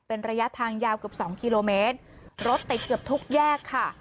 เป็นระยะทางยาวเกือบสองกิโลเมตรรถติดเกือบทุกแยกค่ะ